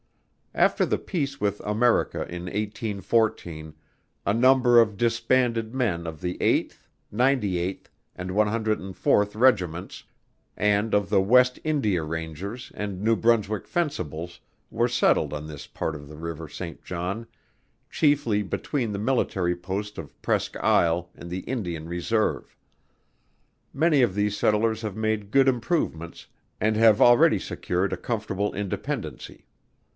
After the peace with America in 1814, a number of disbanded, men of the 8th, 98th, and 104th regiments, and of the West India Rangers and New Brunswick Fencibles, were settled on this part of the river Saint John, chiefly between the military post of Presqu Isle and the Indian reserve. Many of these settlers have made good improvements, and have already secured a comfortable independency.